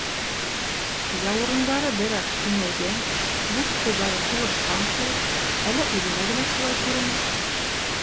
Яурындары бер аҙ киңәйгән, мускулдары тулышҡан кеүек, әллә үҙенә генә шулай күренә.